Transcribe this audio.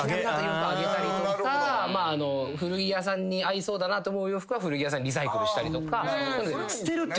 あげたりとか古着屋さんに合いそうだなと思う洋服は古着屋さんにリサイクルしたりとか。